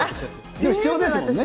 必要ですもんね。